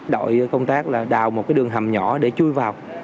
đội công tác là đào một cái đường hầm nhỏ để chui vào